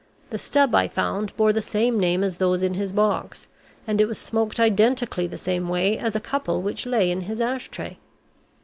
The stub I found bore the same name as those in his box, and it was smoked identically the same way as a couple which lay in his ashtray.